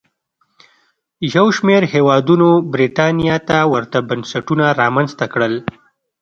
یو شمېر هېوادونو برېټانیا ته ورته بنسټونه رامنځته کړل.